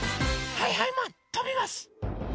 はいはいマンとびます！